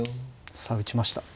さあ打ちました。